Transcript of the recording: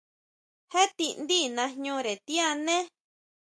Jé tindí najñure tíʼané.